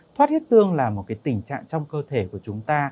thoát huyết tương là một tình trạng trong cơ thể của chúng ta